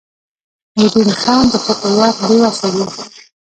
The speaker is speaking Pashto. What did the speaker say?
ویده انسان د خوب پر وخت بې وسه وي